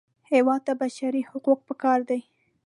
هېواد ته بشري حقوق پکار دي